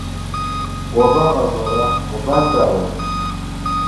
Уабаҟаз, уара, уабантәаауеи?